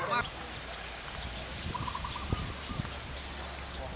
ค่ะรับทราบ